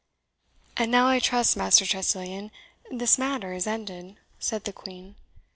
"And now, I trust, Master Tressilian, this matter is ended," said the Queen.